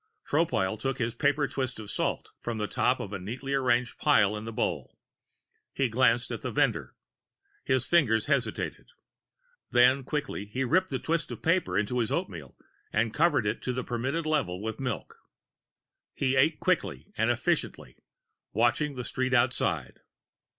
Tropile took his paper twist of salt from the top of the neatly arranged pile in the bowl. He glanced at the vendor. His fingers hesitated. Then, quickly, he ripped the twist of paper into his oatmeal and covered it to the permitted level with the milk. He ate quickly and efficiently, watching the street outside.